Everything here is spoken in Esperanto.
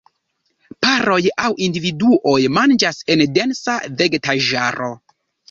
Paroj aŭ individuoj manĝas en densa vegetaĵaro.